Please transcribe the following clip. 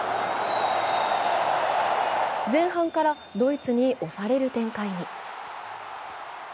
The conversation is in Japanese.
前半からドイツに押される展開に。